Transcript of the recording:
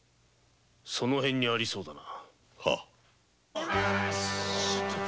その辺にありそうだな。